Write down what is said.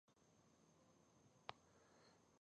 پروګرامر او سپی په خونه کې قدم واهه